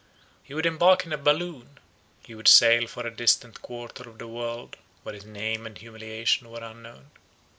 He would embark in a balloon; he would sail for a distant quarter of the world, where his name and humiliation were unknown.